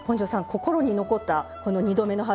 心に残ったこの「２度目の春」